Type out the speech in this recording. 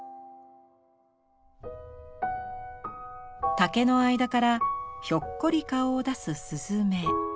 竹の間からひょっこり顔を出す雀。